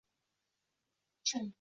Buni oldinroq aytmoqchi edim